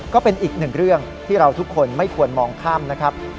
ก็เป็นอีกหนึ่งเรื่องที่เราทุกคนไม่ควรมองข้ามนะครับ